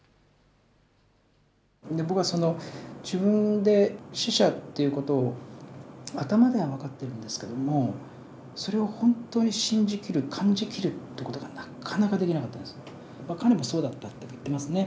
僕はその自分で「死者」っていう事を頭では分かってるんですけれどもそれを本当に信じきる感じきるって事がなかなかできなかったんです。